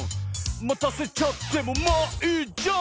「またせちゃってもまあいいじゃん！」